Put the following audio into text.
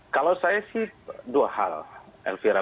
kalau saya sih dua hal elvira